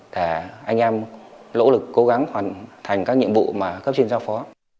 để anh em lỗ lực cố gắng hoàn thành các nhiệm vụ mà cấp trên giao phó